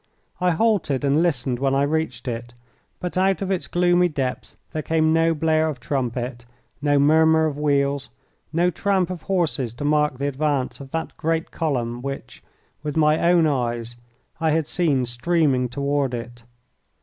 I halted and listened when I reached it, but out of its gloomy depths there came no blare of trumpet, no murmur of wheels, no tramp of horses to mark the advance of that great column which, with my own eyes, I had seen streaming toward it.